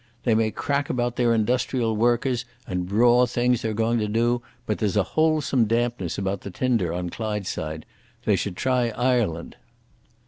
They may crack about their Industrial Workers and the braw things they're going to do, but there's a wholesome dampness about the tinder on Clydeside. They should try Ireland."